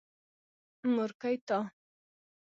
مورکۍ تا.